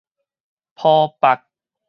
波腹